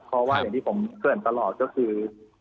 เพราะว่าอย่างที่ผมเกริ่นตลอดก็คือ